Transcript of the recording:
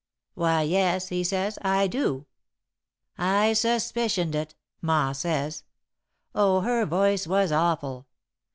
"'Why, yes,' he says. 'I do,' "'I suspicioned it,' Ma says. Oh, her voice was awful!